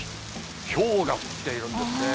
ひょうが降っているんですね。